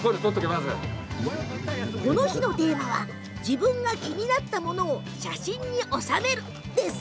この日のテーマは自分が気になったものを写真に収めるです。